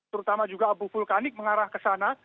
terutama juga abu vulkanik mengarah ke sana